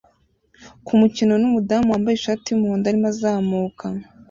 kumukino numudamu wambaye ishati yumuhondo arimo azamuka